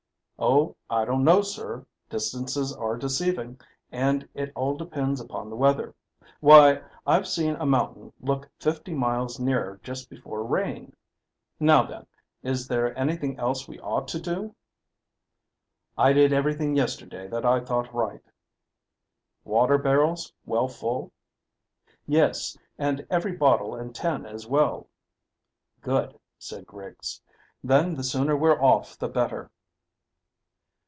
"Oh, I don't know, sir; distances are deceiving, and it all depends upon the weather. Why, I've seen a mountain look fifty miles nearer just before rain. Now then, is there anything else we ought to do?" "I did everything yesterday that I thought right." "Water barrels well full?" "Yes, and every bottle and tin as well." "Good," said Griggs; "then the sooner we're off the better."